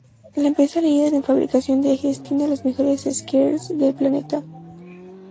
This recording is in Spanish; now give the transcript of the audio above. La empresa líder en fabricación de ejes tiene a los mejores skaters del planeta.